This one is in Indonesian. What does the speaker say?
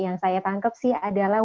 yang saya tangkap sih adalah